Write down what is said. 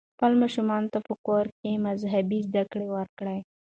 خپلو ماشومانو ته په کور کې مذهبي زده کړې ورکړئ.